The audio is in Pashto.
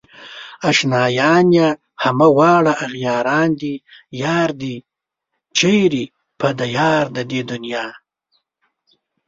اشنايان يې همه واړه اغياران دي يار دئ چيرې په ديار د دې دنيا